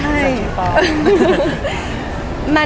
เอ่อเอาออกมา